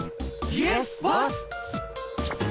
イエスボス！